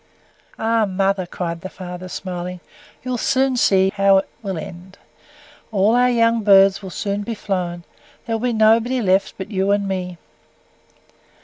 "Ah, mother," cried the father, smiling, "you'll see how it will end: all our young birds will soon be flown there will be nobody left but you and me."